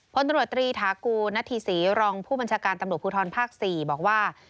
พลตรวจตรีฐากูณฑีศรีรองผู้บัญชาการตำรวจภูทรภาค๔บอกว่า